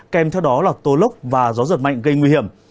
kèm theo đó là tố lốc và gió giật mạnh gây nguy hiểm